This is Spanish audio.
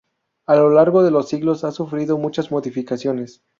A lo largo de los siglos ha sufrido muchas modificaciones.